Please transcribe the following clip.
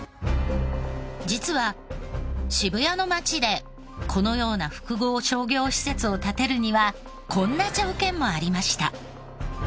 実は渋谷の街でこのような複合商業施設を建てるにはこんな条件もありました。